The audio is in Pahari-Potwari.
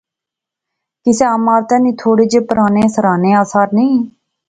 کسے عمارتی نے تھوڑے جے پرانے سرانے آثار نئیں